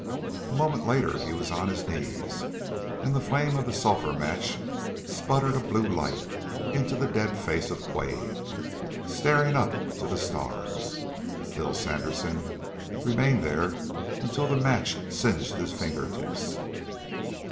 A moment later he was on his knees, and the flame of the sulphur match sputtered a blue light into the dead face of Quade, staring upward to the stars. Bill Sandersen remained there until the match singed his finger tips.